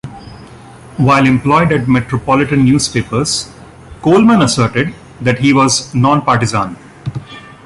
While employed at metropolitan newspapers, Coleman asserted that he was non-partisan.